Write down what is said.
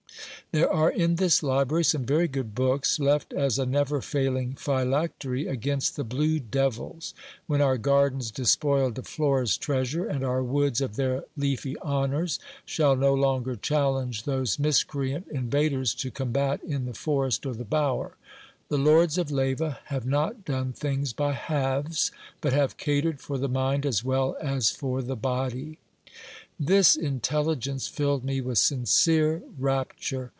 There are in this library some very good books, left as a never failing phylactery against the blue devils, when our gardens despoiled of Flora's treasure, and our woods of their, leafy honours, shall no longer challenge those miscreant invaders to combat in the forest or the bower. The lords of Leyva have rot done things by halves, but have catered for the mind as well as for the body. This intelligence filled me with sincere rapture.